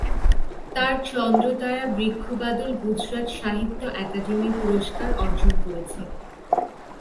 তাঁর চন্দ্র তারা বৃক্ষ বাদল গুজরাট সাহিত্য আকাদেমি পুরস্কার অর্জন করেছে।